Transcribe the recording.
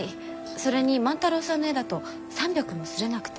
それに万太郎さんの絵だと３００も刷れなくて。